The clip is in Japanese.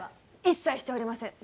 一切しておりません